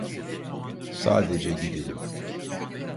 Sadece gidelim.